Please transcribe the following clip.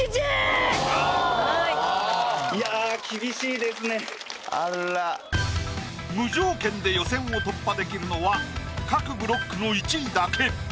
いや無条件で予選を突破できるのは各ブロックの１位だけ。